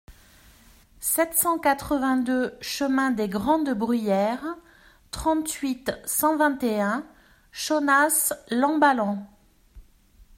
sept cent quatre-vingt-deux chemin des Grandes Bruyères, trente-huit, cent vingt et un, Chonas-l'Amballan